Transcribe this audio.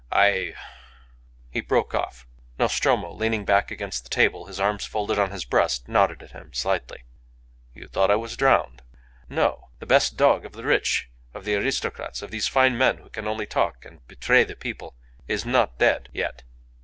I " He broke off. Nostromo, leaning back against the table, his arms folded on his breast, nodded at him slightly. "You thought I was drowned! No! The best dog of the rich, of the aristocrats, of these fine men who can only talk and betray the people, is not dead yet."